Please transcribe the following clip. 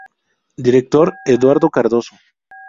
Director: Eduardo Cardoso.